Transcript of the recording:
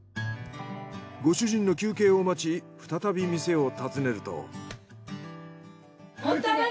ご主人の休憩を待ち再び店を訪ねると。